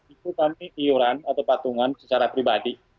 itu kami iuran atau patungan secara pribadi